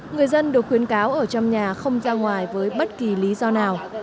người dân được khuyến cáo ở trong nhà không ra ngoài với bất kỳ lý do nào